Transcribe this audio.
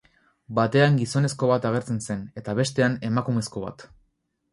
Batean gizonezko bat agertzen zen, eta, bestean, emakumezko bat.